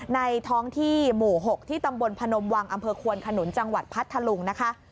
ในท้องที่หมู่๖ที่ตำบลพนมวังอำเภอควนขนุนจังหวัดพัทธลุงนะคะ